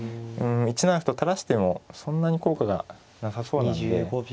１七歩と垂らしてもそんなに効果がなさそうなんで